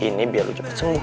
ini biar lu cepet semua